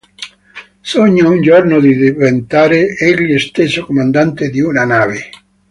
Sogna un giorno di diventare egli stesso comandante di una nave.